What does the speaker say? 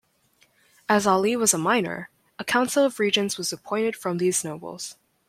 As Ali was a minor, a council of regents was appointed from these nobles.